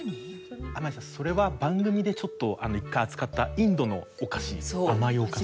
天海さんそれは番組でちょっと一回扱ったインドのお菓子甘いお菓子。